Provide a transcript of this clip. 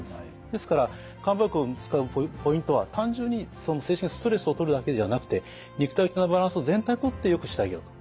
ですから漢方薬を使うポイントは単純に精神的なストレスをとるだけではなくて肉体的なバランスを全体にとってよくしてあげようと。